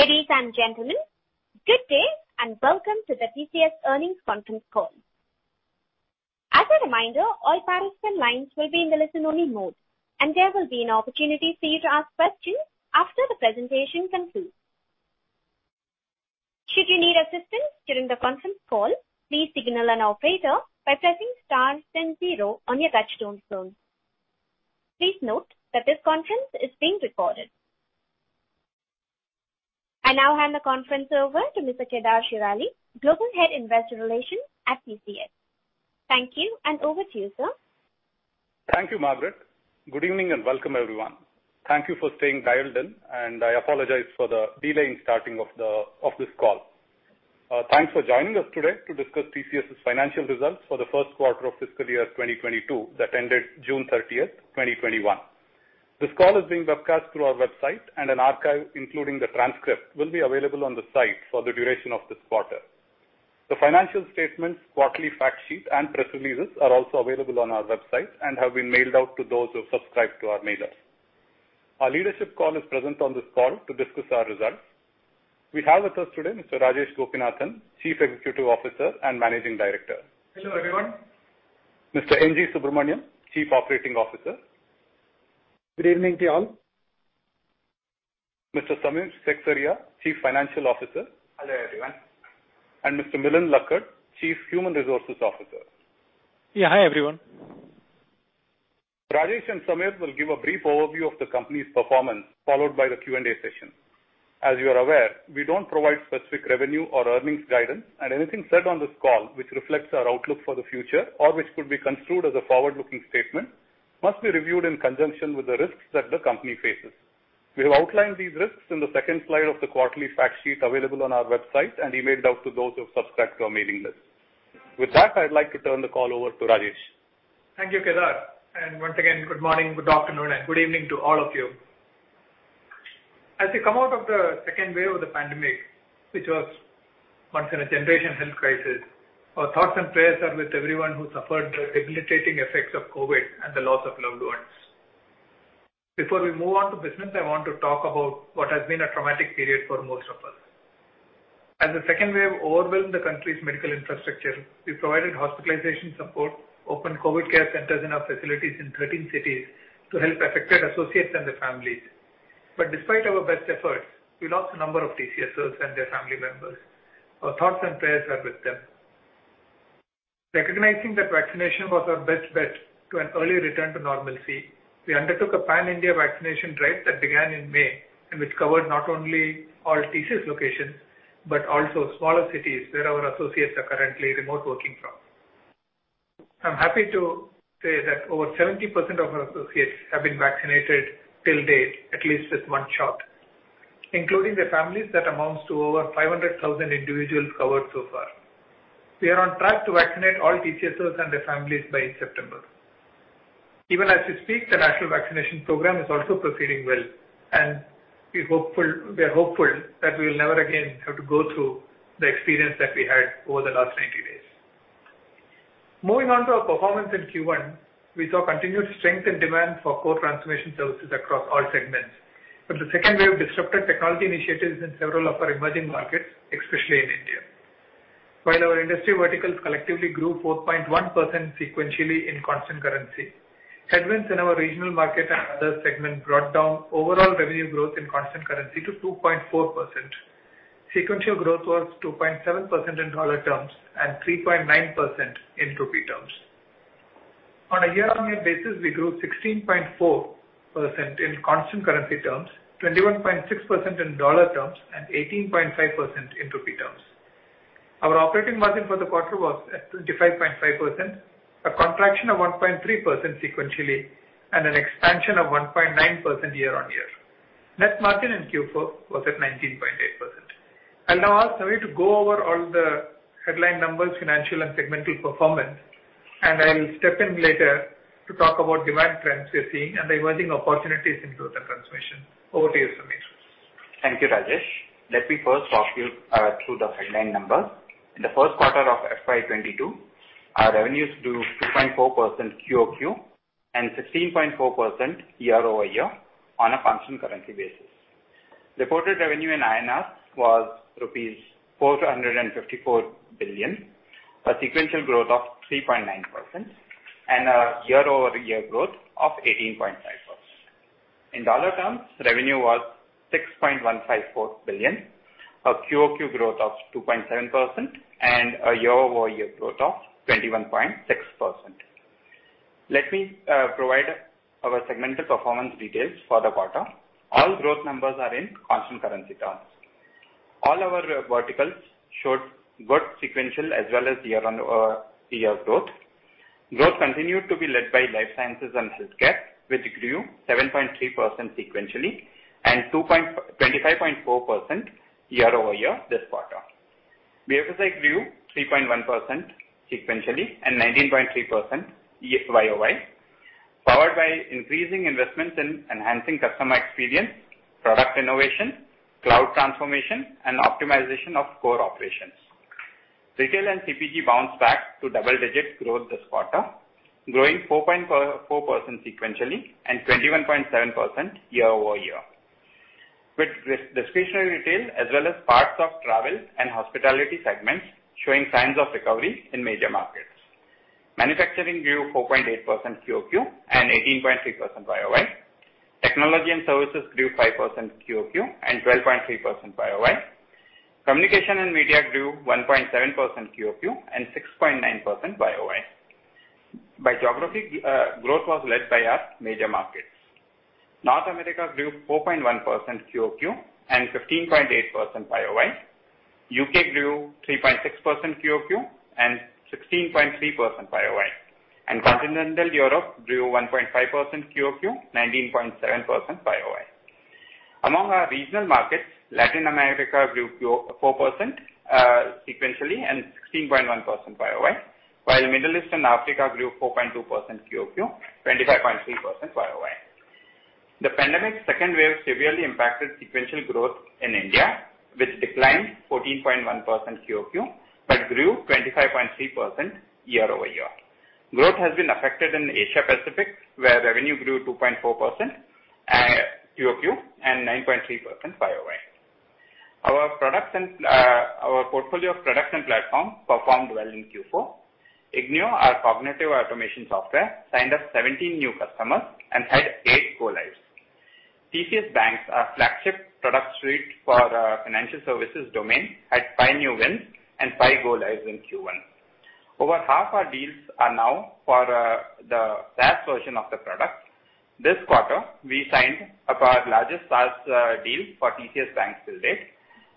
Ladies and gentlemen, good day, and welcome to the TCS Earnings Conference Call. As a reminder, all participant lines will be in the listen-only mode, and there will be an opportunity for you to ask questions after the presentation concludes. Should you need assistance during the conference call, please signal an operator by pressing star then zero on your touch-tone phone. Please note that this conference is being recorded. I now hand the conference over to Mr. Kedar Shirali, Global Head, Investor Relations at TCS. Thank you, and over to you, sir. Thank you, Margaret. Good evening, and welcome, everyone. Thank you for staying dialed in, and I apologize for the delay in starting of this call. Thanks for joining us today to discuss TCS' financial results for the first quarter of fiscal year 2022 that ended June 30th, 2021. This call is being webcast through our website, and an archive, including the transcript, will be available on the site for the duration of this quarter. The financial statements, quarterly fact sheets, and press releases are also available on our website and have been mailed out to those who subscribe to our mailers. Our leadership call is present on this call to discuss our results. We have with us today Mr. Rajesh Gopinathan, Chief Executive Officer and Managing Director. Hello, everyone. Mr. N.G. Subramaniam, Chief Operating Officer. Good evening to you all. Mr. Samir Seksaria, Chief Financial Officer. Hello, everyone. Mr. Milind Lakkad, Chief Human Resources Officer. Yeah. Hi, everyone. Rajesh and Samir will give a brief overview of the company's performance, followed by the Q&A session. As you are aware, we don't provide specific revenue or earnings guidance, and anything said on this call which reflects our outlook for the future or which could be construed as a forward-looking statement must be reviewed in conjunction with the risks that the company faces. We have outlined these risks in the second slide of the quarterly fact sheet available on our website and emailed out to those who subscribe to our mailing list. With that, I'd like to turn the call over to Rajesh. Thank you, Kedar. Once again, good morning, good afternoon, and good evening to all of you. As we come out of the second wave of the pandemic, which was once in a generation health crisis, our thoughts and prayers are with everyone who suffered the debilitating effects of COVID and the loss of loved ones. Before we move on to business, I want to talk about what has been a traumatic period for most of us. As the second wave overwhelmed the country's medical infrastructure, we provided hospitalization support, opened COVID care centers in our facilities in 13 cities to help affected associates and their families. Despite our best efforts, we lost a number of TCSers and their family members. Our thoughts and prayers are with them. Recognizing that vaccination was our best bet to an early return to normalcy, we undertook a pan-India vaccination drive that began in May and which covered not only all TCS locations, but also smaller cities where our associates are currently remote working from. I'm happy to say that over 70% of our associates have been vaccinated till date, at least with one shot. Including their families, that amounts to over 500,000 individuals covered so far. We are on track to vaccinate all TCSers and their families by September. Even as we speak, the national vaccination program is also proceeding well, and we are hopeful that we will never again have to go through the experience that we had over the last 90 days. Moving on to our performance in Q1, we saw continued strength in demand for core transformation services across all segments, the second wave disrupted technology initiatives in several of our emerging markets, especially in India. While our industry verticals collectively grew 4.1% sequentially in constant currency, headwinds in our regional market and other segments brought down overall revenue growth in constant currency to 2.4%. Sequential growth was 2.7% in dollar terms and 3.9% in rupee terms. On a year-on-year basis, we grew 16.4% in constant currency terms, 21.6% in dollar terms, and 18.5% in rupee terms. Our operating margin for the quarter was at 25.5%, a contraction of 1.3% sequentially, and an expansion of 1.9% year-on-year. Net margin in Q4 was at 19.8%. I'll now ask Samir to go over all the headline numbers, financial, and segmental performance, and I'll step in later to talk about demand trends we're seeing and the emerging opportunities in growth and transformation. Over to you, Samir. Thank you, Rajesh. Let me first talk you through the headline numbers. In the first quarter of FY 2022, our revenues grew 2.4% QoQ and 16.4% year-over-year on a constant currency basis. Reported revenue in INR was rupees 454 billion, a sequential growth of 3.9%, and a year-over-year growth of 18.5%. In dollar terms, revenue was $6.154 billion, a QoQ growth of 2.7%, and a year-over-year growth of 21.6%. Let me provide our segmental performance details for the quarter. All growth numbers are in constant currency terms. All our verticals showed good sequential as well as year growth. Growth continued to be led by life sciences and healthcare, which grew 7.3% sequentially and 25.4% year-over-year this quarter. BFSI grew 3.1% sequentially and 19.3% YoY, powered by increasing investments in enhancing customer experience, product innovation, cloud transformation, and optimization of core operations. Retail and CPG bounced back to double-digit growth this quarter, growing 4.4% sequentially and 21.7% year-over-year. With discretionary retail as well as parts of travel and hospitality segments showing signs of recovery in major markets. Manufacturing grew 4.8% QoQ and 18.3% YoY. Technology and services grew 5% QoQ and 12.3% YoY. Communication and media grew 1.7% QoQ and 6.9% YoY. By geography, growth was led by our major markets. North America grew 4.1% QoQ and 15.8% YoY. U.K. grew 3.6% QoQ and 16.3% YoY. Continental Europe grew 1.5% QoQ, 19.7% YoY. Among our regional markets, Latin America grew 4% sequentially and 16.1% YoY, while the Middle East and Africa grew 4.2% QoQ, 25.3% YoY. The pandemic second wave severely impacted sequential growth in India, which declined 14.1% QoQ but grew 25.3% year-over-year. Growth has been affected in Asia-Pacific, where revenue grew 2.4% QoQ and 9.3% YoY. Our portfolio of products and platforms performed well in Q4. ignio, our cognitive automation software, signed up 17 new customers and had eight go lives. TCS BaNCS, our flagship product suite for financial services domain, had five new wins and five go lives in Q1. Over half our deals are now for the SaaS version of the product. This quarter, we signed our largest SaaS deal for TCS BaNCS to date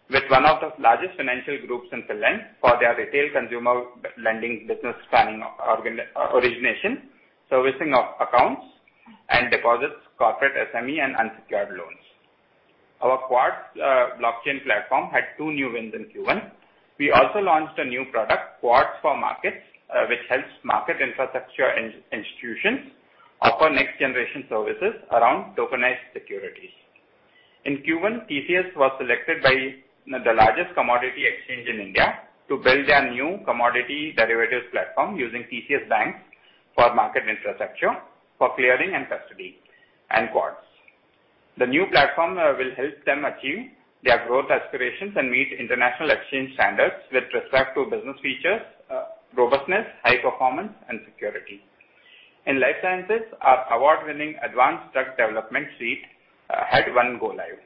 with one of the largest financial groups in Finland for their retail consumer lending business spanning origination, servicing of accounts, and deposits, corporate SME, and unsecured loans. Our Quartz blockchain platform had two new wins in Q1. We also launched a new product, Quartz for Markets, which helps market infrastructure institutions offer next-generation services around tokenized securities. In Q1, TCS was selected by the largest commodity exchange in India to build their new commodity derivatives platform using TCS BaNCS for market infrastructure for clearing and custody and Quartz. The new platform will help them achieve their growth aspirations and meet international exchange standards with respect to business features, robustness, high performance, and security. In life sciences, our award-winning advanced drug development suite had one go live.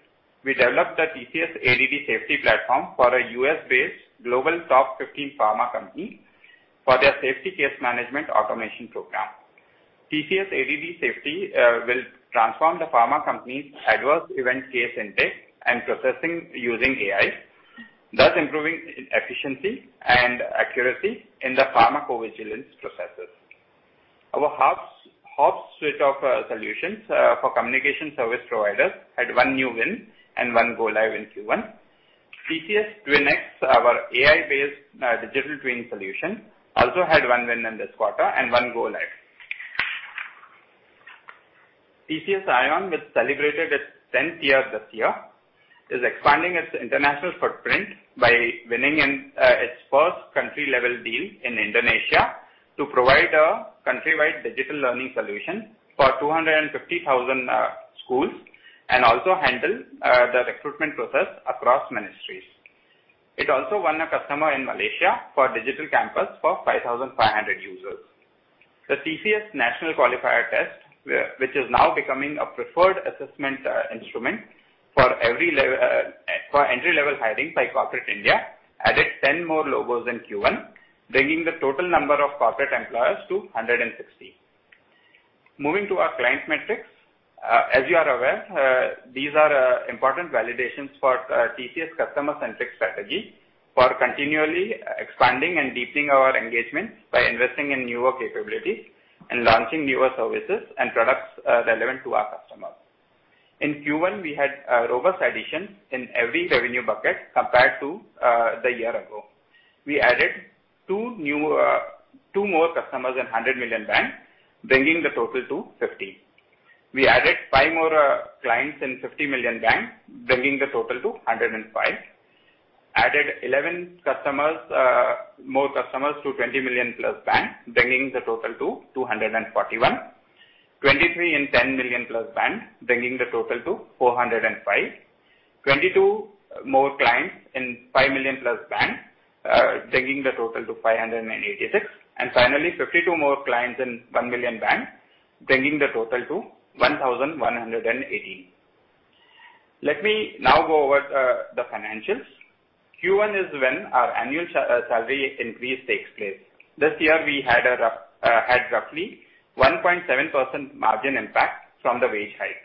We developed the TCS ADD Safety platform for a U.S.-based global top 15 pharma company for their safety case management automation program. TCS ADD Safety will transform the pharma company's adverse event case intake and processing using AI, thus improving efficiency and accuracy in the pharmacovigilance processes. Our HOBS suite of solutions for communication service providers had one new win and one go live in Q1. TCS TwinX, our AI-based digital twinning solution, also had one win in this quarter and one go live. TCS iON, which celebrated its 10th year this year, is expanding its international footprint by winning its first country-level deal in Indonesia to provide a countrywide digital learning solution for 250,000 schools and also handle the recruitment process across ministries. It also won a customer in Malaysia for iON Digital Campus for 5,500 users. The TCS National Qualifier Test, which is now becoming a preferred assessment instrument for entry-level hiring by Corporate India, added 10 more logos in Q1, bringing the total number of corporate employers to 160. Moving to our client metrics. As you are aware, these are important validations for TCS' customer-centric strategy for continually expanding and deepening our engagements by investing in newer capabilities and launching newer services and products relevant to our customers. In Q1, we had a robust addition in every revenue bucket compared to the year-ago. We added two more customers in 100 million band, bringing the total to 50. We added five more clients in 50 million band, bringing the total to 105. Added 11 more customers to 20 million-plus band, bringing the total to 241. 23 in 10 million-plus band, bringing the total to 405. 22 more clients in 5 million+ band, bringing the total to 586. Finally, 52 more clients in 1 million band, bringing the total to 1,118. Let me now go over the financials. Q1 is when our annual salary increase takes place. This year, we had roughly 1.7% margin impact from the wage hike.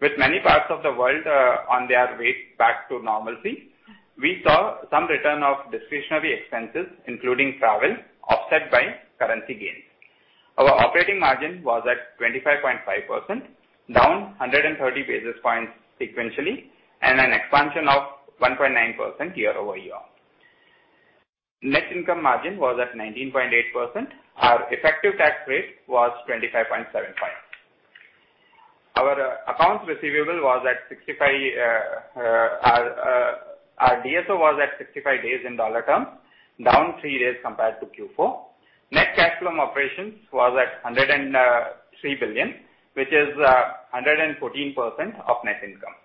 With many parts of the world on their way back to normalcy, we saw some return of discretionary expenses, including travel, offset by currency gains. Our operating margin was at 25.5%, down 130 basis points sequentially and an expansion of 1.9% year-over-year. Net income margin was at 19.8%. Our effective tax rate was 25.75%. Our DSO was at 65 days in dollar terms, down three days compared to Q4. Net cash from operations was at INR 103 billion, which is 114% of net income.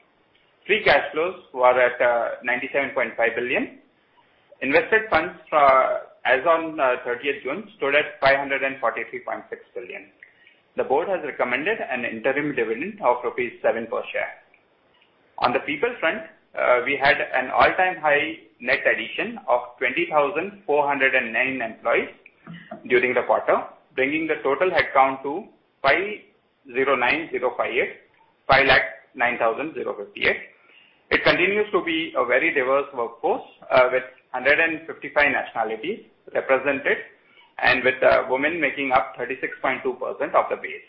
Free cash flows were at 97.5 billion. Invested funds as on 30th June stood at 543.6 billion. The board has recommended an interim dividend of rupees 7 per share. On the people front, we had an all-time high net addition of 20,409 employees during the quarter, bringing the total headcount to 509,058, 509,058. It continues to be a very diverse workforce, with 155 nationalities represented, and with women making up 36.2% of the base.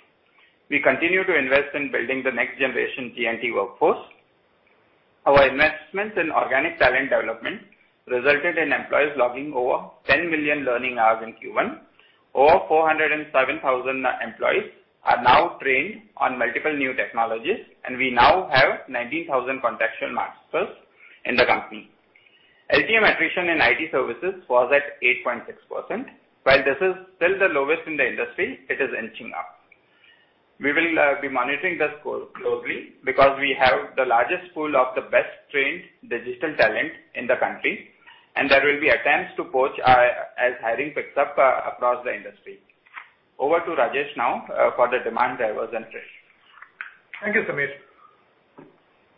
We continue to invest in building the next generation G&T workforce. Our investments in organic talent development resulted in employees logging over 10 million learning hours in Q1. Over 407,000 employees are now trained on multiple new technologies, and we now have 19,000 contextual masters in the company. LTM attrition in IT services was at 8.6%. While this is still the lowest in the industry, it is inching up. We will be monitoring this closely because we have the largest pool of the best-trained digital talent in the country, and there will be attempts to poach as hiring picks up across the industry. Over to Rajesh now for the demand drivers and Thank you, Samir.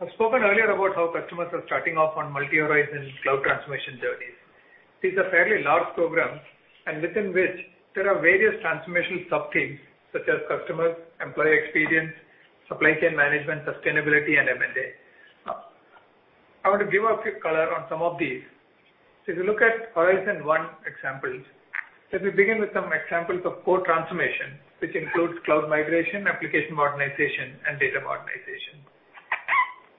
I've spoken earlier about how customers are starting off on multi-horizon cloud transformation journeys. These are fairly large programs and within which there are various transformation sub-themes such as customer, employee experience, supply chain management, sustainability, and M&A. I want to give a quick color on some of these. If you look at Horizon one examples, let me begin with some examples of core transformation, which includes cloud migration, application modernization, and data modernization.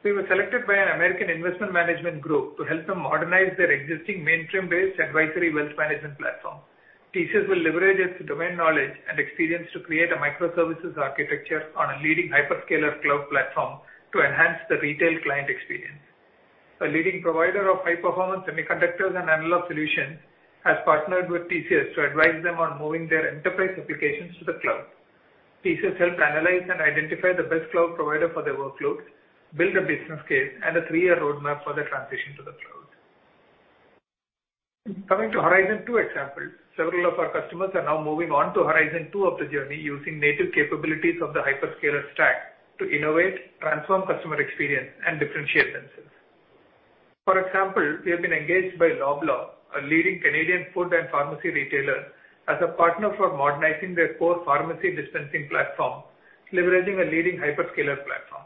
We were selected by an American investment management group to help them modernize their existing mainframe-based advisory wealth management platform. TCS will leverage its domain knowledge and experience to create a microservices architecture on a leading hyperscaler cloud platform to enhance the retail client experience. A leading provider of high-performance semiconductors and analog solutions has partnered with TCS to advise them on moving their enterprise applications to the cloud. TCS helped analyze and identify the best cloud provider for their workload, build a business case, and a three-year roadmap for the transition to the cloud. Coming to Horizon 2 example, several of our customers are now moving on to Horizon 2 of the journey using native capabilities of the hyperscaler stack to innovate, transform customer experience, and differentiate themselves. For example, we have been engaged by Loblaw, a leading Canadian food and pharmacy retailer, as a partner for modernizing their core pharmacy dispensing platform, leveraging a leading hyperscaler platform.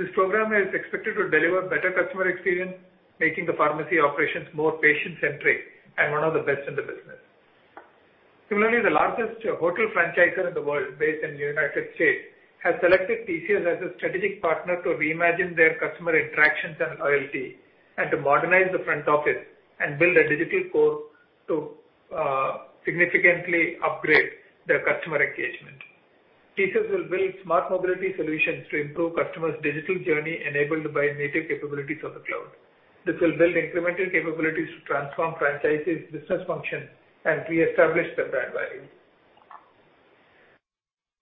This program is expected to deliver better customer experience, making the pharmacy operations more patient-centric and one of the best in the business. Similarly, the largest hotel franchisor in the world, based in the United States has selected TCS as a strategic partner to reimagine their customer interactions and loyalty and to modernize the front office and build a digital core to significantly upgrade their customer engagement. TCS will build smart mobility solutions to improve customers' digital journey enabled by native capabilities of the cloud. This will build incremental capabilities to transform franchisees' business functions and reestablish their brand value.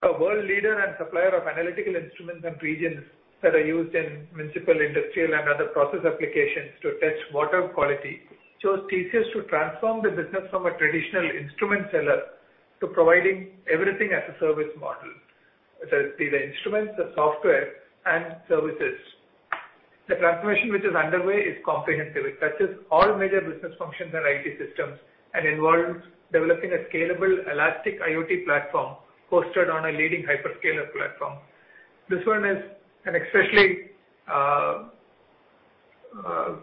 A world leader and supplier of analytical instruments and reagents that are used in municipal, industrial, and other process applications to test water quality chose TCS to transform the business from a traditional instrument seller to providing everything-as-a-service model. That is, the instruments, the software, and services. The transformation which is underway is comprehensive. It touches all major business functions and IT systems and involves developing a scalable elastic IoT platform hosted on a leading hyperscaler platform. This one is an especially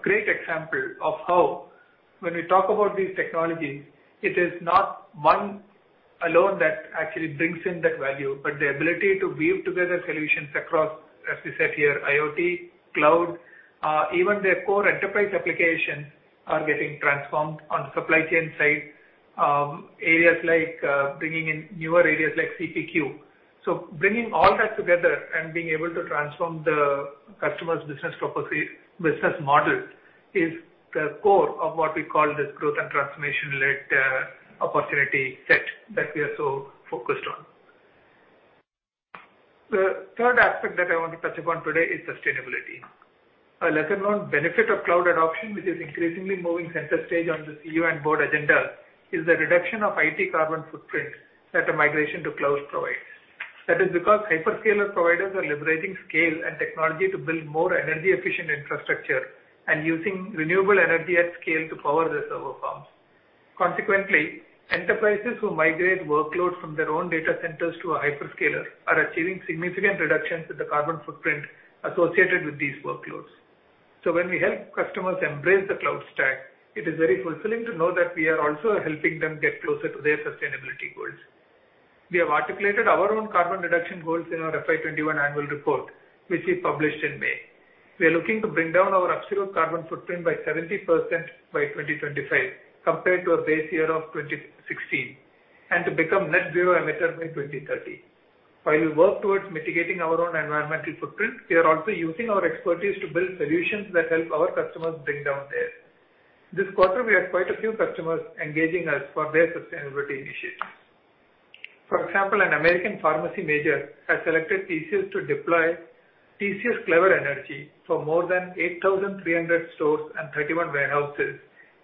great example of how when we talk about these technologies, it is not one alone that actually brings in that value, but the ability to weave together solutions across, as we said here, IoT, cloud, even their core enterprise applications are getting transformed on supply chain side, areas like bringing in newer areas like CPQ. Bringing all that together and being able to transform the customer's business model is the core of what we call this growth and transformation-led opportunity set that we are so focused on. The third aspect that I want to touch upon today is sustainability. A lesser-known benefit of cloud adoption, which is increasingly moving center stage on the CEO and board agenda, is the reduction of IT carbon footprint that a migration to cloud provides. That is because hyperscaler providers are leveraging scale and technology to build more energy-efficient infrastructure and using renewable energy at scale to power their server farms. Consequently, enterprises who migrate workloads from their own data centers to a hyperscaler are achieving significant reductions in the carbon footprint associated with these workloads. When we help customers embrace the cloud stack, it is very fulfilling to know that we are also helping them get closer to their sustainability goals. We have articulated our own carbon reduction goals in our FY 2021 annual report, which we published in May. We are looking to bring down our absolute carbon footprint by 70% by 2025 compared to a base year of 2016. To become net zero emitter by 2030. While we work towards mitigating our own environmental footprint, we are also using our expertise to build solutions that help our customers bring down theirs. This quarter, we had quite a few customers engaging us for their sustainability initiatives. For example, an American pharmacy major has selected TCS to deploy TCS Clever Energy for more than 8,300 stores and 31 warehouses,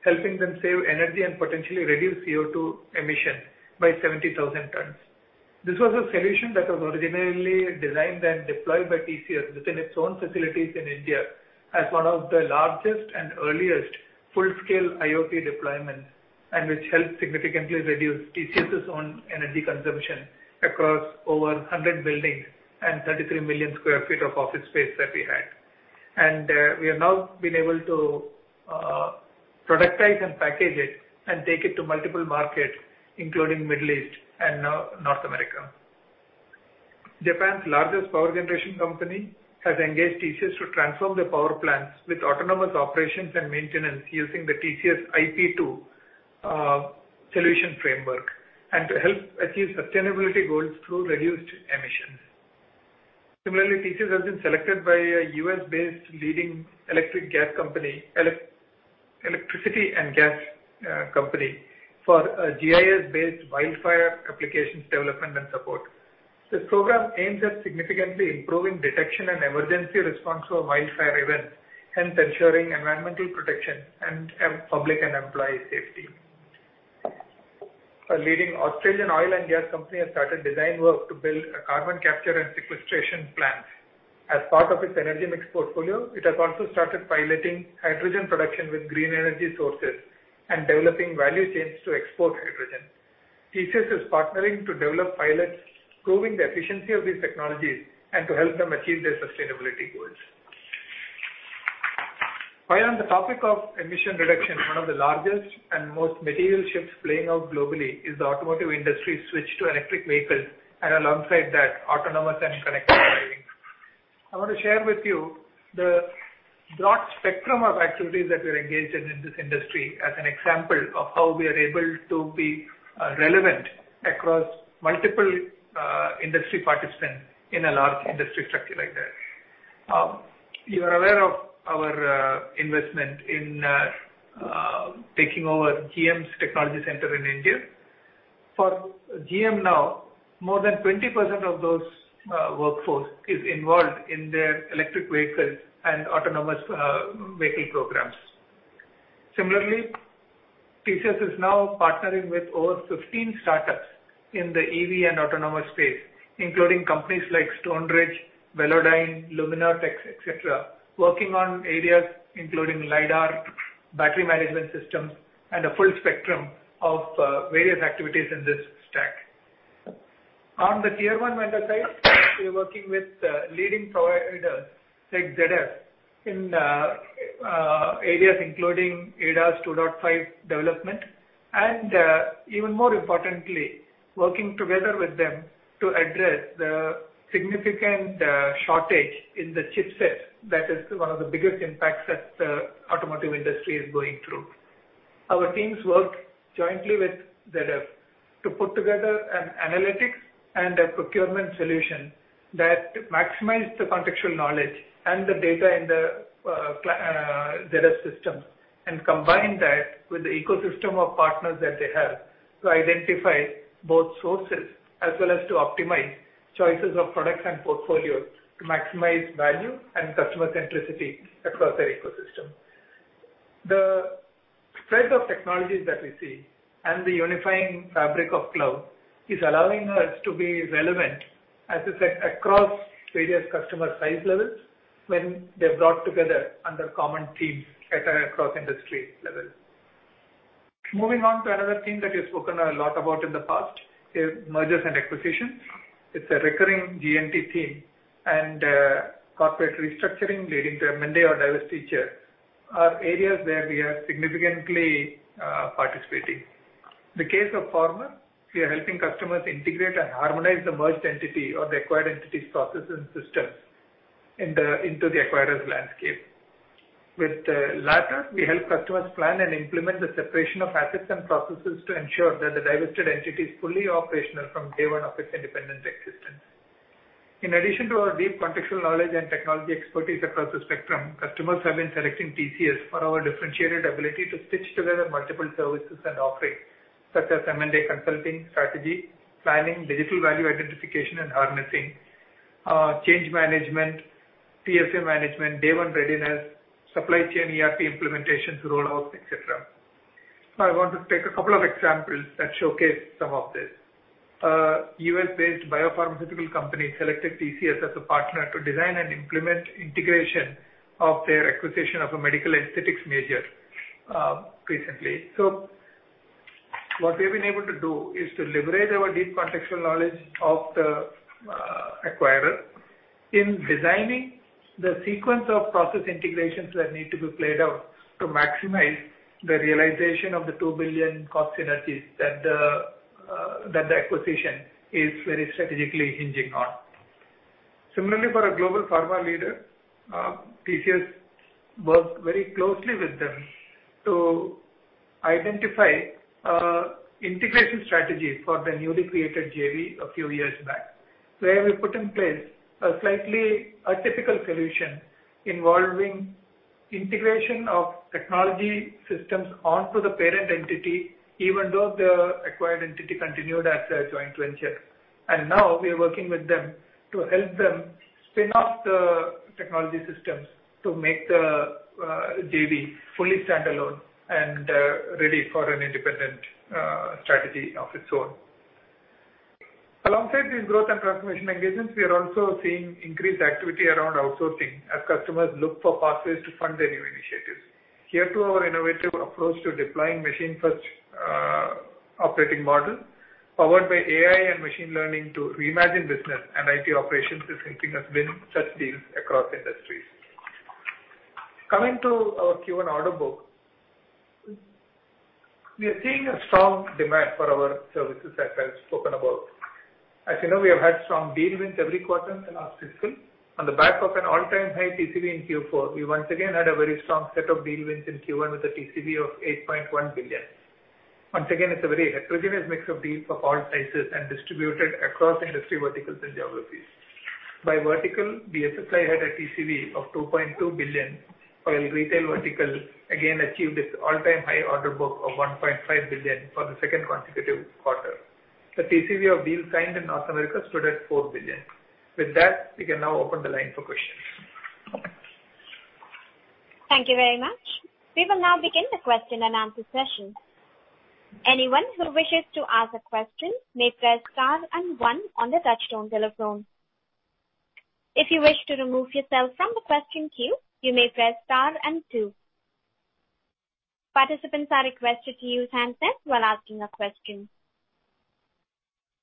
helping them save energy and potentially reduce CO2 emission by 70,000 tons. This was a solution that was originally designed and deployed by TCS within its own facilities in India as one of the largest and earliest full-scale IoT deployments, which helped significantly reduce TCS' own energy consumption across over 100 buildings and 33 million sq ft of office space that we had. We have now been able to productize and package it and take it to multiple markets, including Middle East and North America. Japan's largest power generation company has engaged TCS to transform their power plants with autonomous operations and maintenance using the TCS IP2 solution framework and to help achieve sustainability goals through reduced emissions. Similarly, TCS has been selected by a U.S.-based leading electricity and gas company for a GIS-based wildfire applications development and support. This program aims at significantly improving detection and emergency response to a wildfire event, hence ensuring environmental protection and public and employee safety. A leading Australian oil and gas company has started design work to build carbon capture and sequestration plants. As part of its energy mix portfolio, it has also started piloting hydrogen production with green energy sources and developing value chains to export hydrogen. TCS is partnering to develop pilots proving the efficiency of these technologies and to help them achieve their sustainability goals. While on the topic of emission reduction, one of the largest and most material shifts playing out globally is the automotive industry's switch to electric vehicles, and alongside that, autonomous and connected driving. I want to share with you the broad spectrum of activities that we're engaged in in this industry as an example of how we are able to be relevant across multiple industry participants in a large industry structure like that. You are aware of our investment in taking over GM's technology center in India. For GM now, more than 20% of those workforce is involved in their electric vehicles and autonomous vehicle programs. Similarly, TCS is now partnering with over 15 startups in the EV and autonomous space, including companies like Stoneridge, Velodyne, Luminar Technologies, et cetera, working on areas including LIDAR, battery management systems, and a full spectrum of various activities in this stack. On the Tier 1 vendor side, we're working with leading providers like ZF in areas including ADAS 2.5 development, and even more importantly, working together with them to address the significant shortage in the chipsets. That is one of the biggest impacts that the automotive industry is going through. Our teams work jointly with ZF to put together an analytics and a procurement solution that maximize the contextual knowledge and the data in the ZF systems and combine that with the ecosystem of partners that they have to identify both sources as well as to optimize choices of products and portfolios to maximize value and customer centricity across their ecosystem. The spread of technologies that we see and the unifying fabric of cloud is allowing us to be relevant, as I said, across various customer size levels when they're brought together under common themes at an across-industry level. Moving on to another theme that we've spoken a lot about in the past is mergers and acquisitions. It's a recurring G&T theme, corporate restructuring leading to M&A or divestiture are areas where we are significantly participating. In the case of former, we are helping customers integrate and harmonize the merged entity or the acquired entity's processes and systems into the acquirers' landscape. With the latter, we help customers plan and implement the separation of assets and processes to ensure that the divested entity is fully operational from day one of its independent existence. In addition to our deep contextual knowledge and technology expertise across the spectrum, customers have been selecting TCS for our differentiated ability to stitch together multiple services and offerings, such as M&A consulting, strategy, planning, digital value identification and harnessing, change management, TSA management, day-one readiness, supply chain ERP implementations, rollouts, et cetera. I want to take couple of examples that showcase some of this. A U.S.-based biopharmaceutical company selected TCS as a partner to design and implement integration of their acquisition of a medical aesthetics major recently. What we've been able to do is to leverage our deep contextual knowledge of the acquirer in designing the sequence of process integrations that need to be played out to maximize the realization of the $2 billion cost synergies that the acquisition is very strategically hinging on. Similarly, for a global pharma leader, TCS worked very closely with them to identify an integration strategy for the newly created JV a few years back, where we put in place a slightly atypical solution involving integration of technology systems onto the parent entity, even though the acquired entity continued as their joint venture. Now we're working with them to help them spin off the technology systems to make the JV fully standalone and ready for an independent strategy of its own. Alongside these growth and transformation engagements, we are also seeing increased activity around outsourcing as customers look for pathways to fund the new initiatives. Here too, our innovative approach to deploying machine-first operating model powered by AI and machine learning to reimagine business and IT operations is helping us win such deals across industries. Coming to our Q1 order book. We are seeing a strong demand for our services that I've spoken about. As you know, we have had strong deal wins every quarter in our fiscal. On the back of an all-time high TCV in Q4, we once again had a very strong set of deal wins in Q1 with a TCV of $8.1 billion. Once again, it's a very heterogeneous mix of deals for all sizes and distributed across industry verticals and geographies. By vertical, the BFSI had a TCV of $2.2 billion, while retail vertical again achieved its all-time high order book of $1.5 billion for the second consecutive quarter. The TCV of deals signed in North America stood at $4 billion. With that, we can now open the line for questions. Thank you very much. We will now begin the question and answer session. Anyone who wishes to ask a question, may press star and one on the touchtone telephone. If you wish to remove yourself from the question queue, you may press star and two. Participants are requested to use handset while asking a question.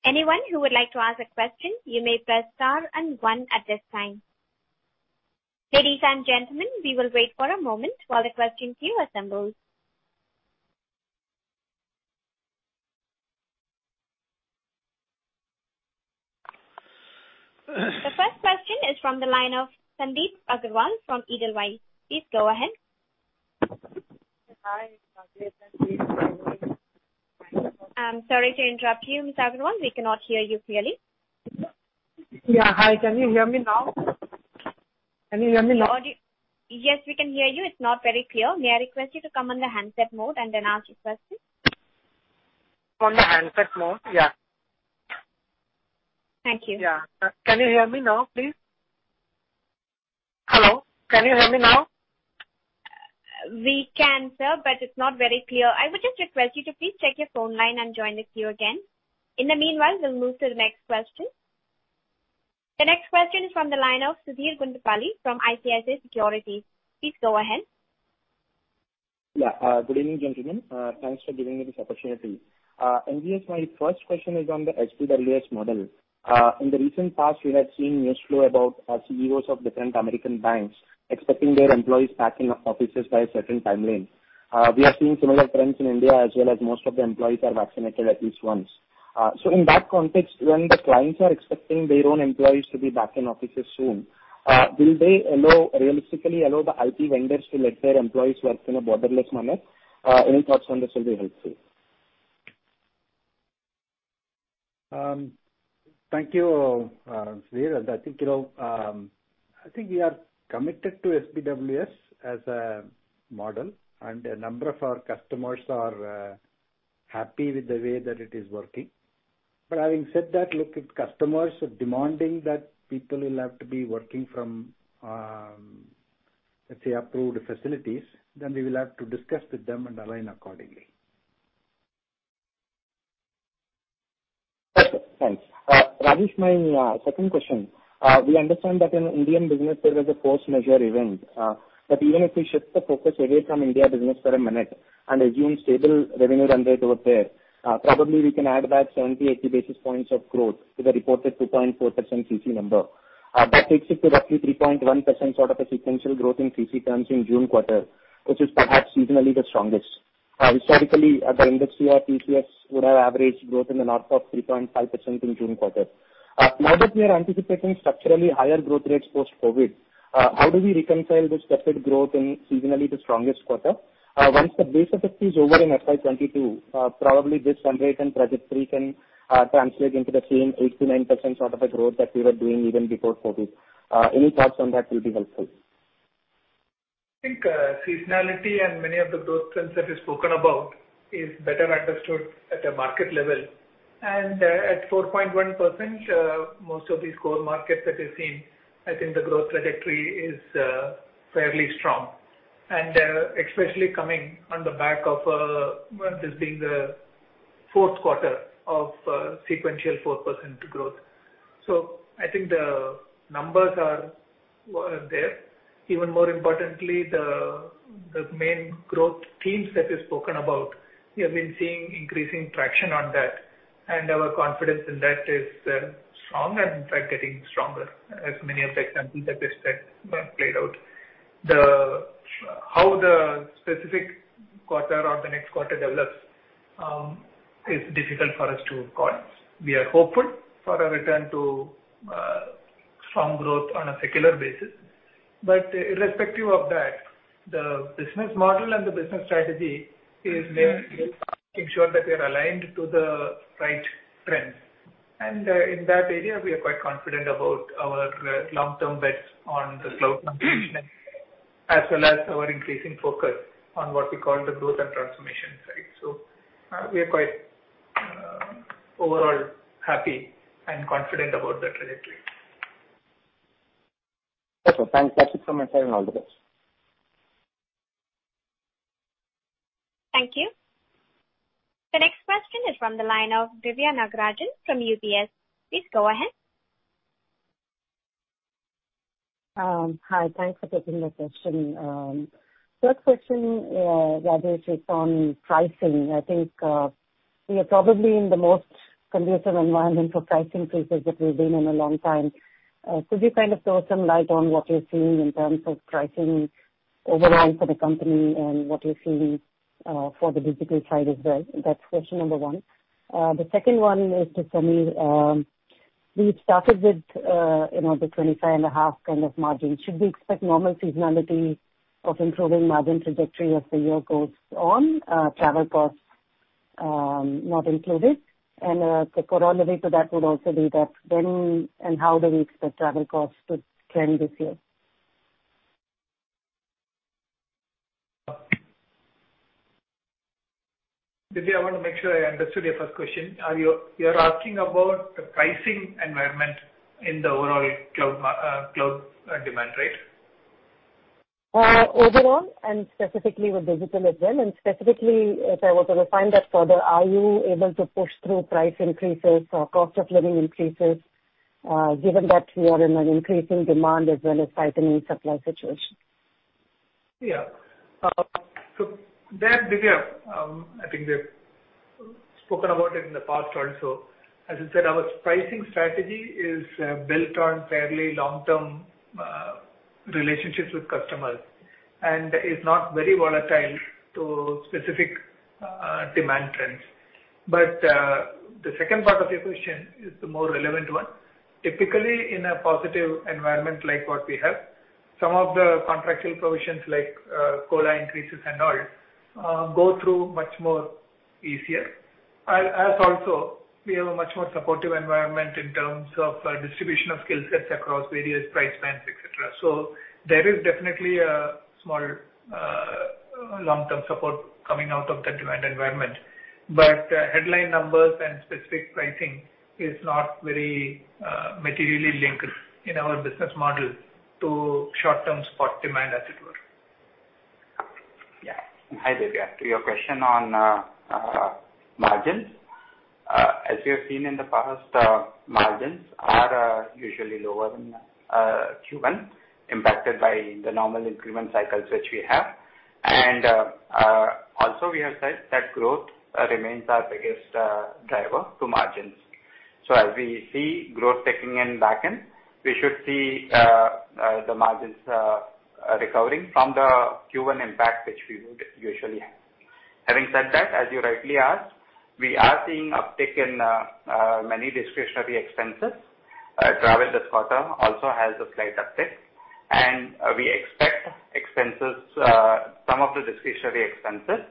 Anyone who would like to ask a question, you may press star and one at this time. Ladies and gentlemen, we'll wait for a moment while the question queue assembles. The first question is from the line of Sandip Agarwal from Edelweiss. Please go ahead. Hi. This is Sandip I'm sorry to interrupt you, Mr. Agarwal. We cannot hear you clearly. Yeah. Hi. Can you hear me now? Yes, we can hear you. It's not very clear. May I request you to come on the handset mode and then ask your question? On the handset mode? Yeah. Thank you. Yeah. Can you hear me now, please? Hello, can you hear me now? We can, sir, but it's not very clear. I would just request you to please check your phone line and join the queue again. In the meanwhile, we'll move to the next question. The next question is from the line of Sudheer Guntupalli from ICICI Securities. Please go ahead. Good evening, gentlemen. Thanks for giving me this opportunity. NGS, my first question is on the SBWS model. In the recent past, we have seen news flow about CEOs of different American banks expecting their employees back in offices by a certain timeline. We are seeing similar trends in India as well, as most of the employees are vaccinated at least once. In that context, when the clients are expecting their own employees to be back in offices soon, will they realistically allow the IT vendors to let their employees work in a borderless model? Any thoughts on this will be helpful. Thank you, Sudheer. I think we are committed to SBWS as a model, and a number of our customers are happy with the way that it is working. Having said that, look, if customers are demanding that people will have to be working from, let's say, approved facilities, then we will have to discuss with them and align accordingly. Okay, thanks. Rajesh, my second question. We understand that Indian business is a post-merger event, that even if we shift the focus away from India business for a minute and assume stable revenue run rate over there, probably we can add back 70, 80 basis points of growth to the reported 2.4% CC number. That takes it to roughly 3.1% sort of a sequential growth in CC terms in June quarter, which is perhaps seasonally the strongest. Historically, at the industry level, TCS would have average growth in the north of 3.5% in June quarter. Now that we are anticipating structurally higher growth rates post-COVID, how do we reconcile this tepid growth in seasonally the strongest quarter? Once the base effect is over in FY 2022, probably this run rate and trajectory can translate into the same 8%-9% sort of a growth that we were doing even before COVID. Any thoughts on that will be helpful. I think seasonality and many of the growth trends that you spoken about is better understood at a market level. At 4.1%, most of these core markets that you're seeing, I think the growth trajectory is fairly strong. Especially coming on the back of this being the fourth quarter of sequential 4% growth. I think the numbers are there. Even more importantly, the main growth themes that you spoken about, we have been seeing increasing traction on that, and our confidence in that is strong and in fact getting stronger as many of the examples that I've played out. How the specific quarter or the next quarter develops is difficult for us to call. We are hopeful for a return to strong growth on a secular basis. Irrespective of that, the business model and the business strategy is made to ensure that we are aligned to the right trends. In that area, we are quite confident about our long-term bets on the cloud transformation, as well as our increasing focus on what we call the growth and transformation side. We are quite overall happy and confident about the trajectory. Okay. Thanks. That's it from my side, and all the best. Thank you. The next question is from the line of Diviya Nagarajan from UBS. Please go ahead. Hi. Thanks for taking the question. First question Rajesh, with on pricing. I think we are probably in the most conducive environment for pricing increases that we've been in a long time. Could you kind of throw some light on what you're seeing in terms of pricing overall for the company and what you're seeing for the digital side as well? That's question number one. The second one is to Samir. We started with the 25.5% kind of margin. Should we expect normal seasonality of improving margin trajectory as the year goes on, travel costs not included? The corollary to that would also be that when and how do we expect travel costs to trend this year? Diviya, I want to make sure I understood your first question. You're asking about the pricing environment in the overall cloud demand rate? Overall, and specifically with digital as well, specifically, if I was to refine that further, are you able to push through price increases or cost of living increases given that you are in an increasing demand as well as tightening supply situation? Yeah. That, Diviya, I think we've spoken about it in the past also. As I said, our pricing strategy is built on fairly long-term relationships with customers and is not very volatile to specific demand trends. The second part of your question is the more relevant one. Typically, in a positive environment like what we have, some of the contractual provisions like COLA increases and all go through much more easier. As also, we have a much more supportive environment in terms of distribution of skill sets across various price bands, et cetera. There is definitely a small long-term support coming out of the demand environment. Headline numbers and specific pricing is not very materially linked in our business model to short-term spot demand, as it were. Yeah. Hi, Diviya. To your question on margins. As you have seen in the past, margins are usually lower in Q1, impacted by the normal increment cycles which we have. Also we have said that growth remains our biggest driver to margins. As we see growth kicking in back in, we should see the margins recovering from the Q1 impact, which we would usually have. Having said that, as you rightly asked, we are seeing uptick in many discretionary expenses. Travel this quarter also has a slight uptick, and we expect some of the discretionary expenses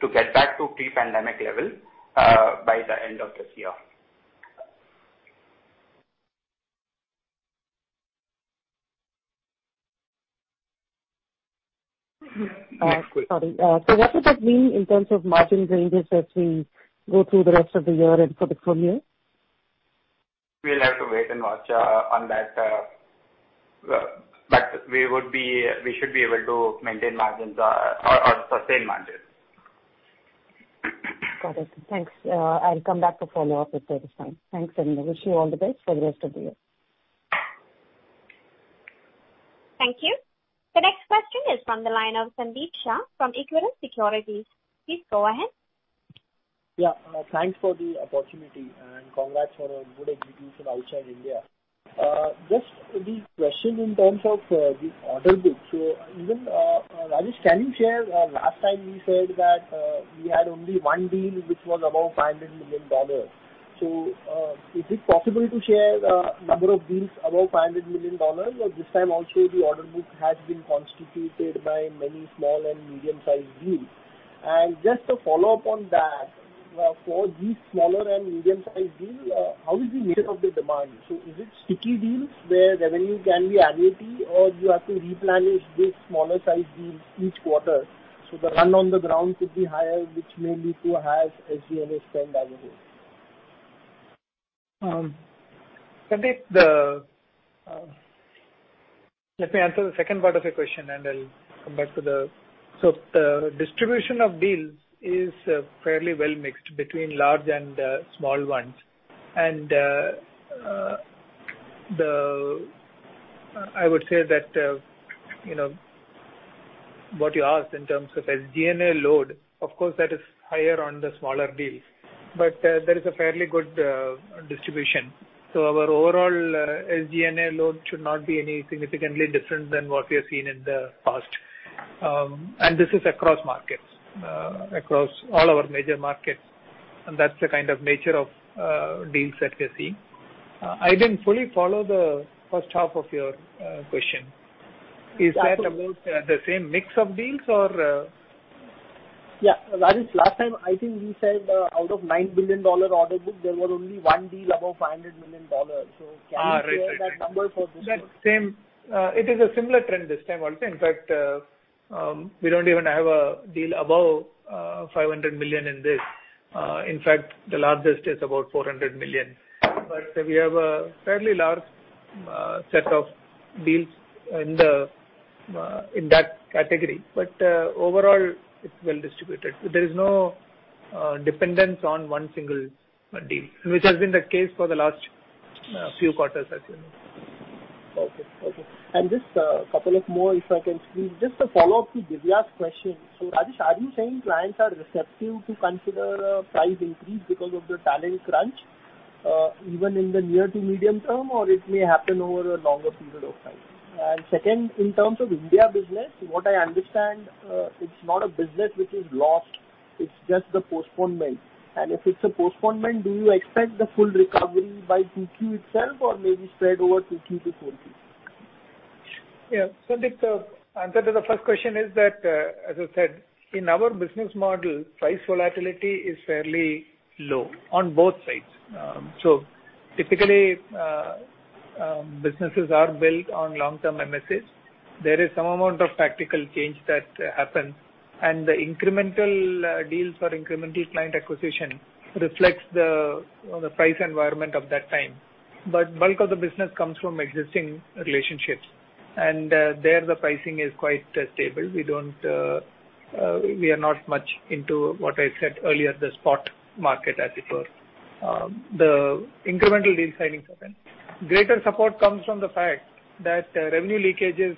to get back to pre-pandemic level by the end of this year. Sorry. What does that mean in terms of margin ranges as we go through the rest of the year and for the full year? We'll have to wait and watch on that. We should be able to maintain margins or sustain margins. Got it. Thanks. I'll come back for follow-up at a later time. Thanks. Wish you all the best for the rest of the year. Thank you. The next question is from the line of Sandeep Shah from Equirus Securities. Please go ahead. Yeah. Thanks for the opportunity. Congrats for a good execution outside India. Just the question in terms of the order book. Rajesh, can you share, last time we said that we had only one deal which was above $500 million. Is it possible to share the number of deals above $500 million? This time also the order book has been constituted by many small and medium-sized deals. Just a follow-up on that. For these smaller and medium-sized deals, how is the nature of the demand? Is it sticky deals where revenue can be annuity, or you have to replenish these smaller size deals each quarter, so the run on the ground could be higher, which may lead to high SG&A spend as a whole? Sandeep, let me answer the second part of your question. The distribution of deals is fairly well-mixed between large and small ones. I would say that what you asked in terms of SG&A load, of course, that is higher on the smaller deals. But there is a fairly good distribution. Our overall SG&A load should not be any significantly different than what we have seen in the past. This is across markets, across all our major markets, and that's the kind of nature of deals that we're seeing. I didn't fully follow the first half of your question. Is that about the same mix of deals or? Yeah. Rajesh, last time, I think we said out of $9 billion order book, there was only one deal above $500 million. Right. Share that number for this year? It is a similar trend this time also. We don't even have a deal above $500 million in this. The largest is about $400 million. We have a fairly large set of deals in that category. Overall, it's well-distributed. There is no dependence on one single deal, which has been the case for the last few quarters, as you know. Okay. Just a couple of more, if I can squeeze. Just a follow-up to Diviya's question. Rajesh, are you saying clients are receptive to consider a price increase because of the talent crunch even in the near to medium term, or it may happen over a longer period of time? Second, in terms of India business, what I understand, it's not a business which is lost, it's just the postponement. If it's a postponement, do you expect the full recovery by 2Q itself or maybe spread over 2Q to 4Q? Yeah. Sandeep, the answer to the first question is that, as I said, in our business model, price volatility is fairly low on both sides. Typically, businesses are built on long-term MSA. There is some amount of tactical change that happens, and the incremental deals or incremental client acquisition reflects the price environment of that time. Bulk of the business comes from existing relationships. There, the pricing is quite stable. We are not much into, what I said earlier, the spot market, as it were. The incremental deal signings happen. Greater support comes from the fact that revenue leakages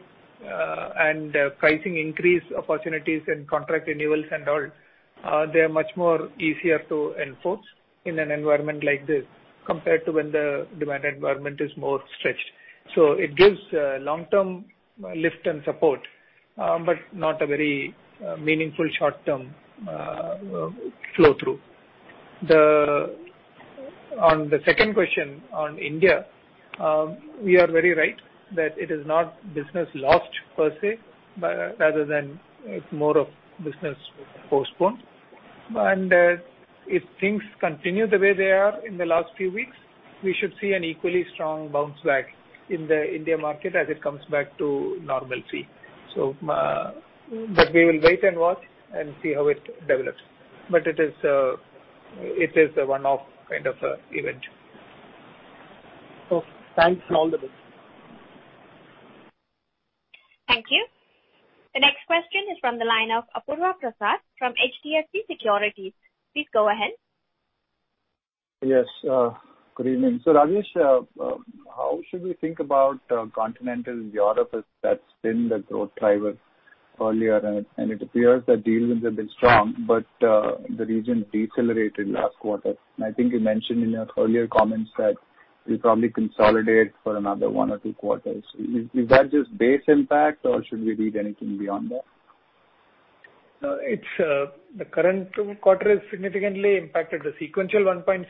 and pricing increase opportunities in contract renewals and all, they are much more easier to enforce in an environment like this compared to when the demand environment is more stretched. It gives long-term lift and support, but not a very meaningful short-term flow-through. On the second question on India, we are very right that it is not business lost per se, rather than it's more of business postponed. If things continue the way they are in the last few weeks, we should see an equally strong bounce back in the India market as it comes back to normalcy. We will wait and watch and see how it develops. It is a one-off kind of event. Okay. Thanks for all the details. Thank you. The next question is from the line of Apurva Prasad from HDFC Securities. Please go ahead. Yes. Good evening. Rajesh, how should we think about Continental Europe as that's been the growth driver earlier, and it appears that deal wins have been strong, but the region decelerated last quarter. I think you mentioned in your earlier comments that you'll probably consolidate for another one or two quarters. Is that just base impact, or should we read anything beyond that? The current quarter has significantly impacted the sequential 1.6.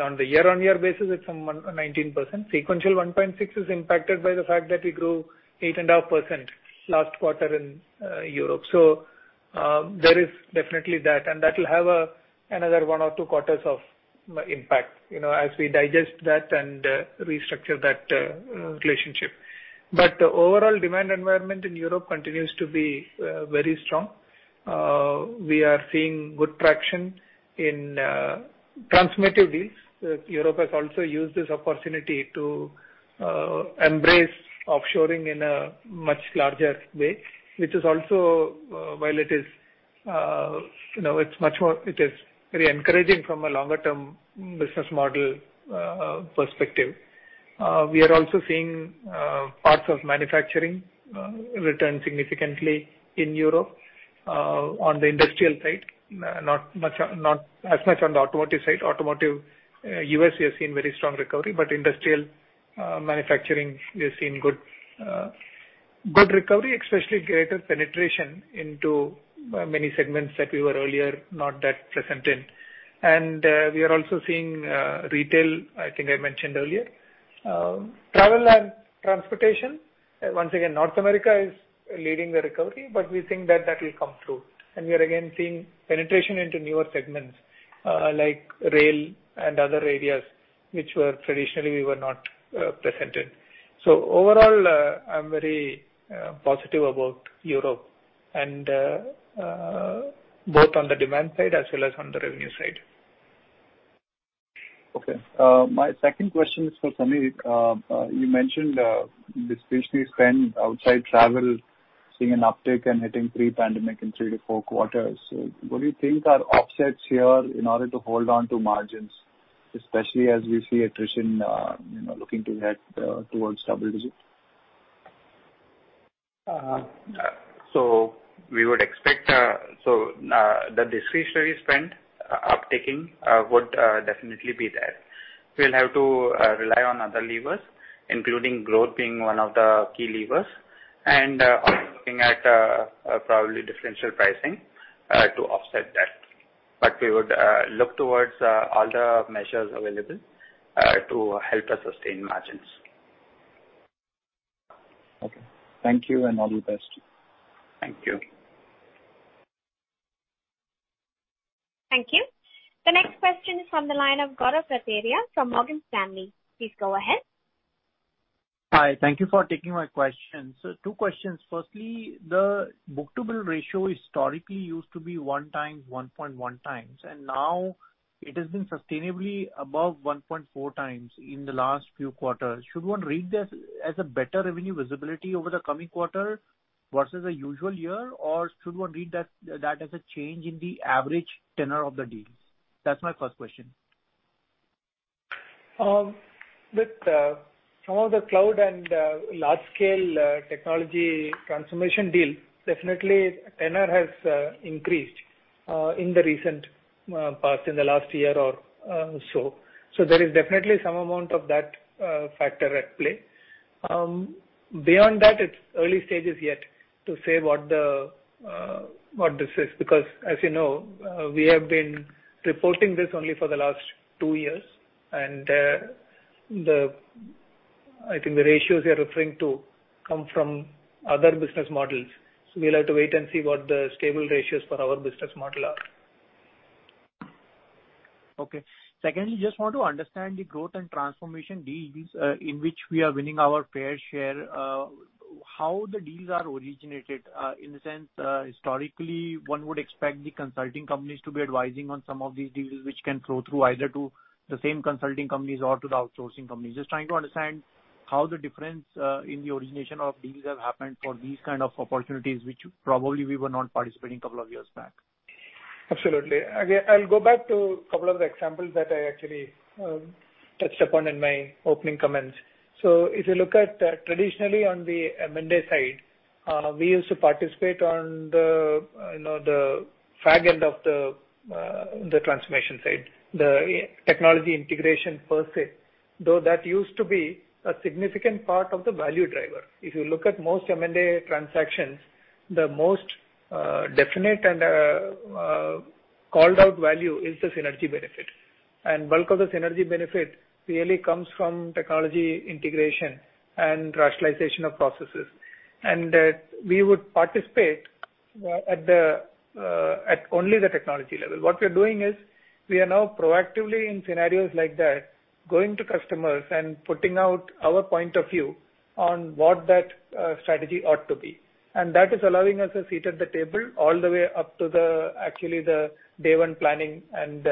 On the year-on-year basis, it's some 19%. Sequential 1.6 is impacted by the fact that we grew 8.5% last quarter in Europe. There is definitely that, and that'll have another one or two quarters of impact, as we digest that and restructure that relationship. Overall demand environment in Europe continues to be very strong. We are seeing good traction in transmitted deals. Europe has also used this opportunity to embrace offshoring in a much larger way. It is very encouraging from a longer-term business model perspective. We are also seeing parts of manufacturing return significantly in Europe on the industrial side, not as much on the automotive side. Automotive U.S., we have seen very strong recovery, industrial manufacturing, we have seen good recovery, especially greater penetration into many segments that we were earlier not that present in. We are also seeing retail, I think I mentioned earlier. Travel and transportation, once again, North America is leading the recovery, but we think that that will come through. We are again seeing penetration into newer segments like rail and other areas which traditionally we were not present. Overall, I'm very positive about Europe, both on the demand side as well as on the revenue side. Okay. My second question is for Samir. You mentioned discretionary spend outside travel seeing an uptick and hitting pre-pandemic in three to four quarters. What do you think are offsets here in order to hold on to margins, especially as we see attrition looking to head towards double-digit? We would expect the discretionary spend uptaking would definitely be there. We'll have to rely on other levers, including growth being one of the key levers, and also looking at probably differential pricing to offset that. We would look towards all the measures available to help us sustain margins. Okay. Thank you and all the best. Thank you. Thank you. The next question is from the line of Gaurav Rateria from Morgan Stanley. Please go ahead. Hi. Thank you for taking my questions. Two questions. Firstly, the book-to-bill ratio historically used to be 1x, 1.1x, and now it has been sustainably above 1.4x in the last few quarters. Should one read that as a better revenue visibility over the coming quarter versus the usual year? Should one read that as a change in the average tenure of the deal? That's my first question. Look, some of the cloud and large-scale technology transformation deal, definitely tenure has increased in the recent past, in the last year or so. There is definitely some amount of that factor at play. Beyond that, it's early stages yet to say what this is, because as you know, we have been reporting this only for the last two years, and I think the ratios you're referring to come from other business models. We'll have to wait and see what the stable ratios for our business model are. Okay. Secondly, just want to understand the growth and transformation deals in which we are winning our fair share, how the deals are originated. In the sense historically, one would expect the consulting companies to be advising on some of these deals, which can flow through either to the same consulting companies or to the outsourcing companies. Just trying to understand how the difference in the origination of deals have happened for these kind of opportunities, which probably we were not participating couple of years back? Absolutely. I will go back to couple of examples that I actually touched upon in my opening comments. If you look at traditionally on the M&A side, we used to participate on the far end of the transformation side, the technology integration per se, though that used to be a significant part of the value driver. If you look at most M&A transactions, the most definite and called-out value is the synergy benefit. Bulk of the synergy benefit really comes from technology integration and rationalization of processes. We would participate at only the technology level. What we're doing is we are now proactively in scenarios like that, going to customers and putting out our point of view on what that strategy ought to be. That is allowing us a seat at the table all the way up to actually the day-one planning and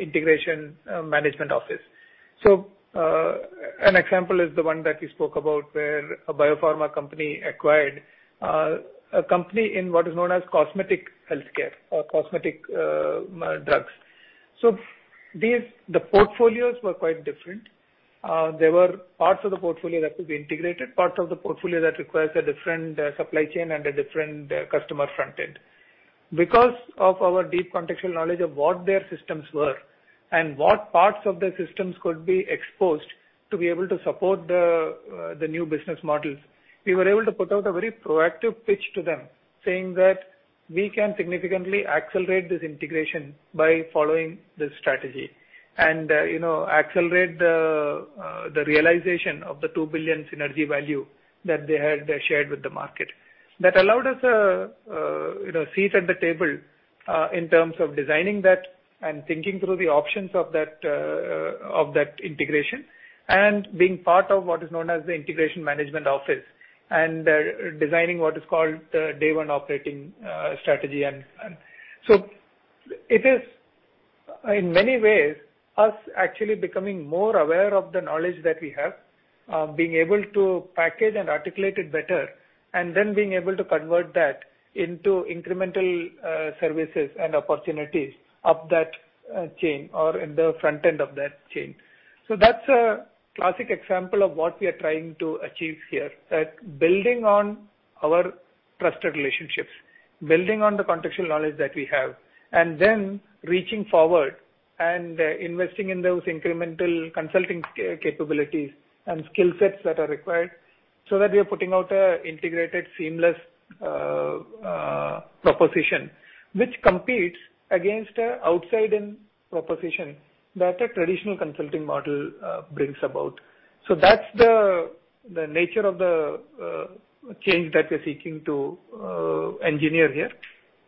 integration management office. An example is the one that we spoke about, where a biopharma company acquired a company in what is known as cosmetic healthcare or cosmetic drugs. The portfolios were quite different. There were parts of the portfolio that could be integrated, parts of the portfolio that requires a different supply chain and a different customer front end. Because of our deep contextual knowledge of what their systems were and what parts of their systems could be exposed to be able to support the new business models, we were able to put out a very proactive pitch to them saying that we can significantly accelerate this integration by following this strategy. Accelerate the realization of the $2 billion synergy value that they had shared with the market. That allowed us a seat at the table in terms of designing that and thinking through the options of that integration and being part of what is known as the integration management office and designing what is called day-one operating strategy. It is in many ways us actually becoming more aware of the knowledge that we have, being able to package and articulate it better, and then being able to convert that into incremental services and opportunities up that chain or in the front end of that chain. That's a classic example of what we're trying to achieve here. Building on our trusted relationships, building on the contextual knowledge that we have, and then reaching forward and investing in those incremental consulting capabilities and skill sets that are required so that we are putting out an integrated, seamless proposition which competes against an outside-in proposition that a traditional consulting model brings about. That's the nature of the change that we're seeking to engineer here.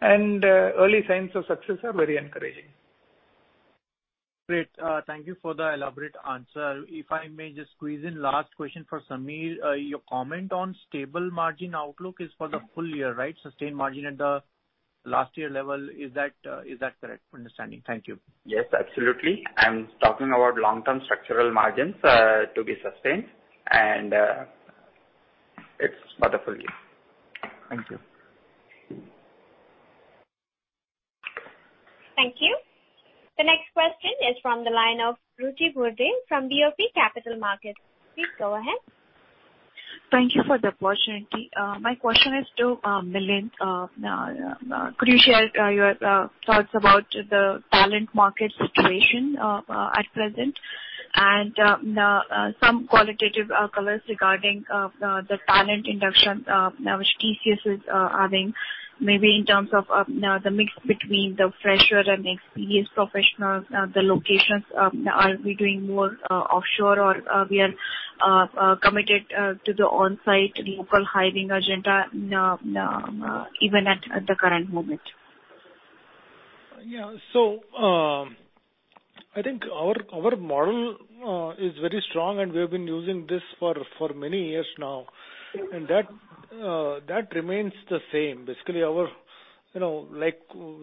Early signs of success are very encouraging. Great. Thank you for the elaborate answer. If I may just squeeze in last question for Samir, your comment on stable margin outlook is for the full year, right? Sustained margin at the last year level, is that correct understanding? Thank you. Yes, absolutely. I'm talking about long-term structural margins to be sustained, and it's for the full year. Thank you. Thank you. The next question is from the line of Ruchi Burde from BOB Capital Markets. Please go ahead. Thank you for the opportunity. My question is to Milind. Could you share your thoughts about the talent market situation at present and some qualitative colors regarding the talent induction which TCS is adding, maybe in terms of the mix between the fresher and experienced professionals, the locations? Are we doing more offshore, or we are committed to the on-site local hiring agenda even at the current moment? I think our model is very strong, and we have been using this for many years now. That remains the same. Basically,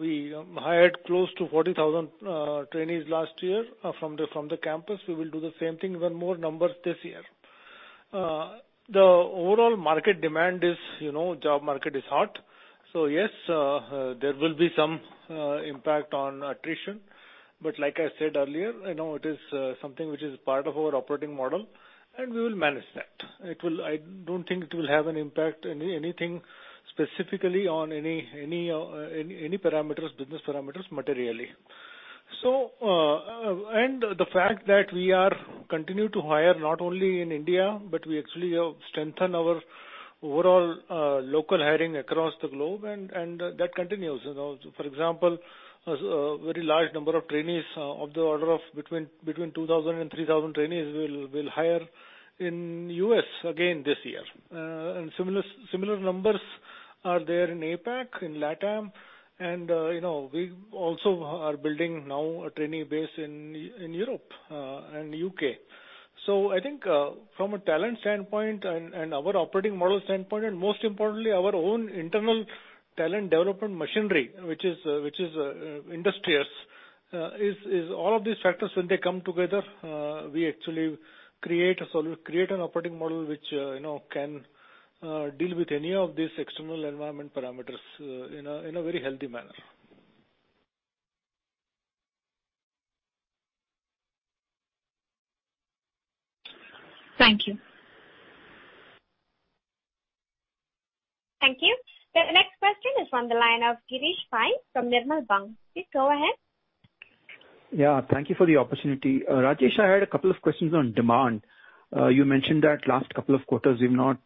we hired close to 40,000 trainees last year from the campus. We will do the same thing with more numbers this year. Job market is hot. Yes, there will be some impact on attrition. Like I said earlier, it is something which is part of our operating model, and we will manage that. I don't think it will have an impact in anything specifically on any business parameters materially. The fact that we are continuing to hire not only in India, but we actually strengthen our overall local hiring across the globe, and that continues. For example, a very large number of trainees of the order of between 2,000 and 3,000 trainees we'll hire in U.S. again this year. Similar numbers are there in APAC, in LATAM, and we also are building now a training base in Europe and U.K. I think from a talent standpoint and our operating model standpoint, and most importantly, our own internal talent development machinery, which is industrious. All of these factors when they come together, we actually create an operating model which can deal with any of these external environment parameters in a very healthy manner. Thank you. Thank you. The next question is on the line of Girish Pai from Nirmal Bang. Please go ahead. Yeah, thank you for the opportunity. Rajesh, I had a couple of questions on demand. You mentioned that last couple of quarters we've not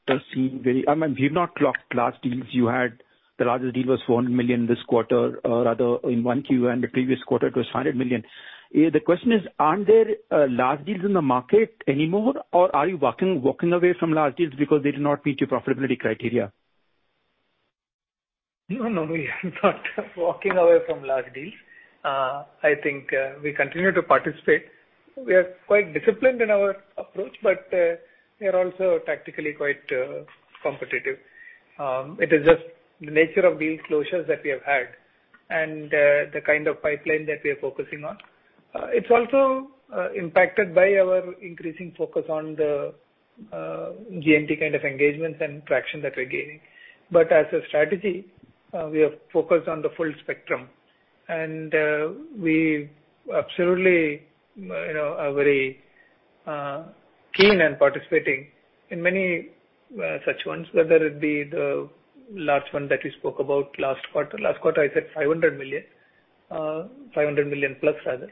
clocked large deals. You had the largest deal was $1 million this quarter, or rather in Q1, the previous quarter it was $500 million. The question is, aren't there large deals in the market anymore, or are you walking away from large deals because they did not meet your profitability criteria? No, we are not walking away from large deals. I think we continue to participate. We are quite disciplined in our approach. We are also tactically quite competitive. It is just the nature of deal closures that we have had and the kind of pipeline that we are focusing on. It's also impacted by our increasing focus on the G&T kind of engagements and traction that we're gaining. As a strategy, we are focused on the full spectrum, and we absolutely are very keen and participating in many such ones, whether it be the large one that you spoke about last quarter. Last quarter, I said $500 million+, rather,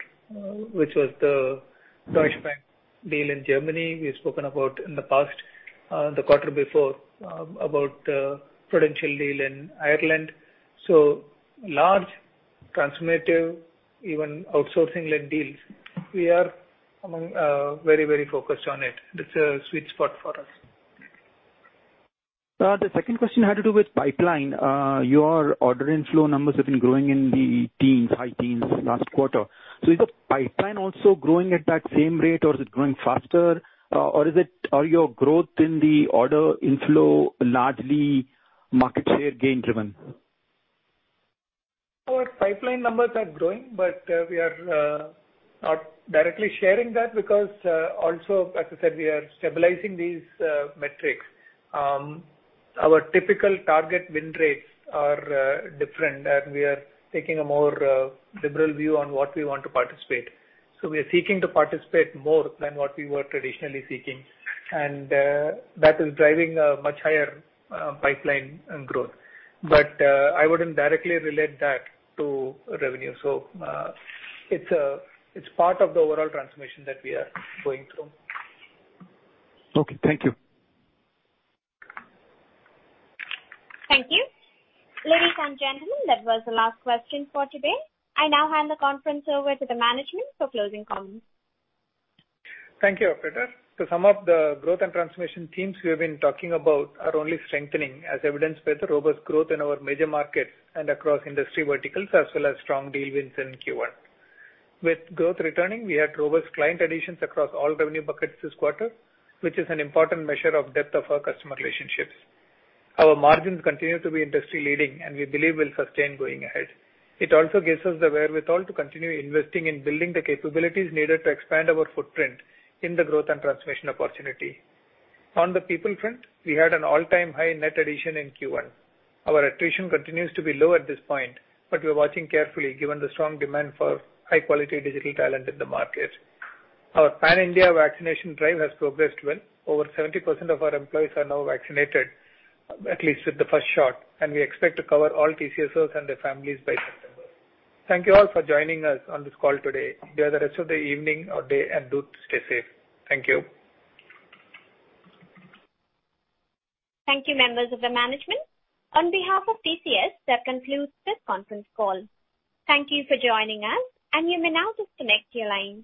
which was the Deutsche Bank deal in Germany we've spoken about in the past, the quarter before, about Prudential deal in Ireland. Large transformative, even outsourcing-led deals. We are very focused on it. It's a sweet spot for us. The second question had to do with pipeline. Your order inflow numbers have been growing in the teens, high teens last quarter. Is the pipeline also growing at that same rate, or is it growing faster, or your growth in the order inflow largely market share gain driven? Our pipeline numbers are growing. We are not directly sharing that because also, as I said, we are stabilizing these metrics. Our typical target win rates are different, and we are taking a more liberal view on what we want to participate. We are seeking to participate more than what we were traditionally seeking, and that is driving a much higher pipeline growth. I wouldn't directly relate that to revenue. It's part of the overall transformation that we are going through. Okay. Thank you. Thank you. Ladies and gentlemen, that was the last question for today. I now hand the conference over to the management for closing comments. Thank you, operator. Some of the growth and transformation themes we have been talking about are only strengthening as evidenced by the robust growth in our major markets and across industry verticals, as well as strong deal wins in Q1. With growth returning, we had robust client additions across all revenue buckets this quarter, which is an important measure of depth of our customer relationships. Our margins continue to be industry-leading, and we believe will sustain going ahead. It also gives us the wherewithal to continue investing in building the capabilities needed to expand our footprint in the growth and transformation opportunity. On the people front, we had an all-time high net addition in Q1. Our attrition continues to be low at this point, but we're watching carefully, given the strong demand for high-quality digital talent in the market. Our pan-India vaccination drive has progressed well. Over 70% of our employees are now vaccinated, at least with the first shot. We expect to cover all TCSers and their families by September. Thank you all for joining us on this call today. Enjoy the rest of the evening or day. Do stay safe. Thank you. Thank you, members of the management. On behalf of TCS, that concludes this conference call. Thank you for joining us, and you may now disconnect your line.